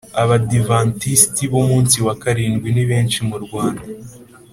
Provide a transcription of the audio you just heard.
Abadivantisiti b Umunsi wa Karindwi nibenshi murwanda